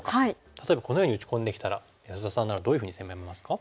例えばこのように打ち込んできたら安田さんならどういうふうに攻めますか？